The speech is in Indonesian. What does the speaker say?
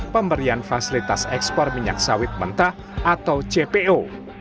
pemberian fasilitas ekspor minyak sawit mentah atau cpo